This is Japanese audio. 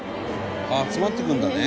集まってくるんだね